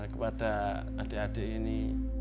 kepada adik adik ini